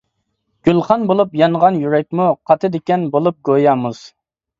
گۈلخان بولۇپ يانغان يۈرەكمۇ، قاتىدىكەن بولۇپ گويا مۇز.